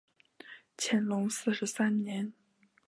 乾隆四十三年。